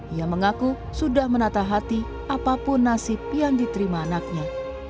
ia mengaku sudah menata hati apapun nasib yang diterima anaknya